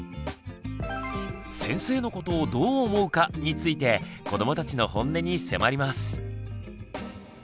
「先生のことをどう思うか？」について子どもたちのホンネに迫ります。